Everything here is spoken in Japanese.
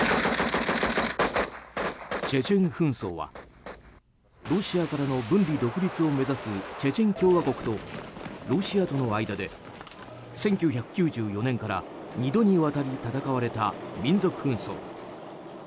チェチェン紛争はロシアからの分離独立を目指すチェチェン共和国とロシアとの間で１９９４年から２度にわたり戦われた民族紛争。